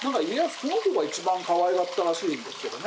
この子が一番かわいかったらしいんですけどね。